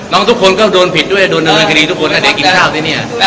น้องทุกคนก็โดนผิดด้วยโดนเงินคดีทุกคนอาเดะกินข้าวด้วยเนี่ย